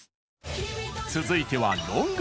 続いては「ロングトーン」。